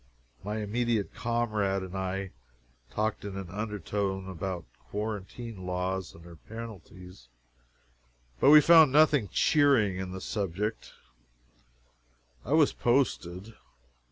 My immediate comrade and I talked in an undertone about quarantine laws and their penalties, but we found nothing cheering in the subject. I was posted.